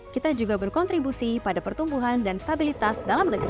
kita juga berkontribusi pada pertumbuhan dan stabilitas dalam negeri